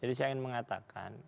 jadi saya ingin mengatakan